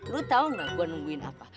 lu tau gak gua nungguin apa